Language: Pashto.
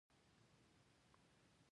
کوچني حکومتونه یې لرل